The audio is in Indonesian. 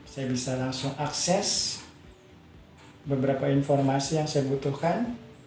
saya bisa langsung akses beberapa informasi yang saya butuhkan